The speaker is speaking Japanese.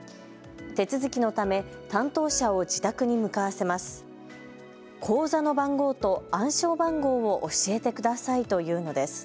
手続きのため担当者を自宅に向かわせます。